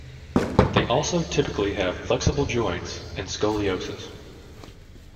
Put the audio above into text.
They also typically have flexible joints and scoliosis.